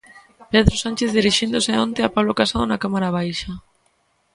Pedro Sánchez dirixíndose onte a Pablo Casado na Cámara Baixa.